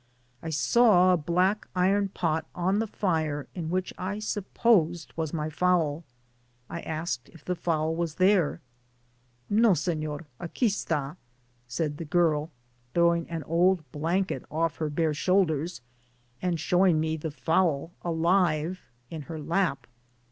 *I saw a black iron pot on the fire in which I supposed was my fowl— I asked if the fowl was there? " No, Sefior, aqui stl^" smd the girl, throwing an old blanket off her bare shoulders, and showing me the fowl alive in her lap.